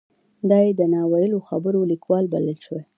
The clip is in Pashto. دای د نا ویلو خبرو لیکوال بللی شو.